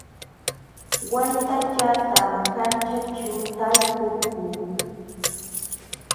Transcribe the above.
Waytallatam kanćhaaćhu talpukuu